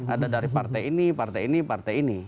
ada dari partai ini partai ini partai ini